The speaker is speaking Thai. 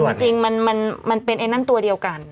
อีสุอีสวัสดิ์มันเป็นตัวเดียวกัน